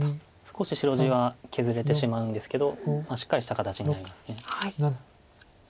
少し白地は削れてしまうんですけどしっかりした形になります。